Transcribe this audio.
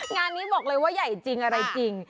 งานนี้บอกเลยว่าใหญ่จริงอะไรจริง